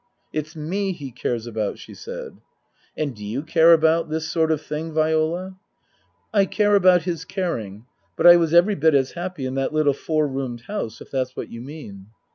" It's me he cares about," she said. " And do you care about this sort of thing, Viola ?"" I care about his caring. But I was every bit as happy in that little four roomed house, if that's what you mean."